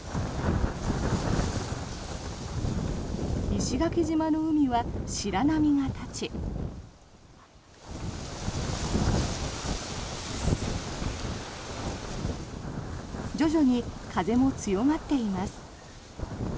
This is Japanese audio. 石垣島の海は白波が立ち徐々に風も強まっています。